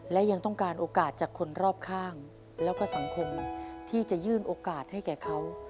และยังต้องการโอกาสจากคนรอบข้างแล้วก็สังคมที่จะยื่นโอกาสให้แก่เขา